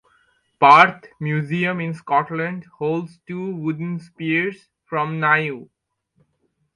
Perth Museum in Scotland holds two wooden spears from Niue.